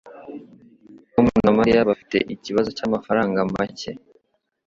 Tom na Mariya bafite ikibazo cyamafaranga make.